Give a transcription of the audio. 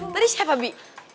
tadi siapa bi